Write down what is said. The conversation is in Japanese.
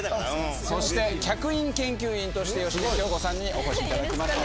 そして客員研究員として芳根京子さんにお越しいただきました。